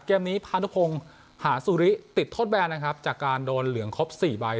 เกมนี้พานุพงศ์หาสุริติดโทษแบนนะครับจากการโดนเหลืองครบสี่ใบ